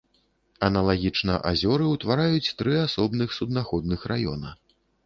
Аналагічна азёры ўтвараюць тры асобных суднаходных раёна.